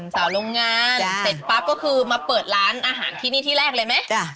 สาวโรงงานเสร็จปั๊บก็คือมาเปิดร้านอาหารที่นี่ที่แรกเลยไหม